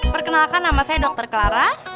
perkenalkan nama saya dr clara